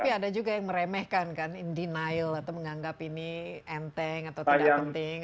tapi ada juga yang meremehkan kan in denial atau menganggap ini enteng atau tidak penting